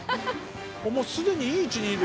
もう既にいい位置にいる。